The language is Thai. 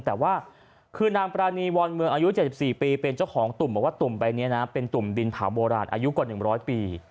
แต่ว่าคือนางปรานีวอนเมืองอายุ๗๔ปีเป็นเจ้าของตุ่มบอกว่าตุ่มใบนี้นะเป็นตุ่มดินเผาโบราณอายุกว่า๑๐๐ปี